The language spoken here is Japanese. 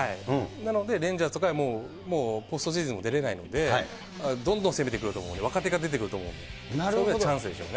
なのでレンジャーズとか、もうポストシーズンも出れないので、どんどん攻めてくると思うんで、若手が出てくると思うんで、そこがチャンスですよね。